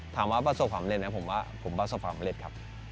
ประสบความเร็จไหมผมว่าผมประสบความสำเร็จครับ